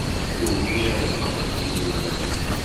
Ugin ad ɣren yinelmaden.